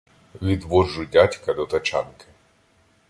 Відводжу дядька до тачанки.